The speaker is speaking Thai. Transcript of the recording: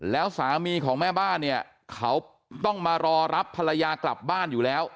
แล้วสามีของแม่บ้านเนี่ยเขาต้องมารอรับภรรยากลับบ้านอยู่แล้ว